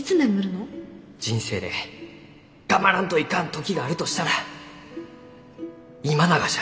人生で頑張らんといかん時があるとしたら今ながじゃ。